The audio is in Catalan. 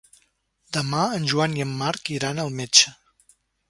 Demà en Joan i en Marc iran al metge.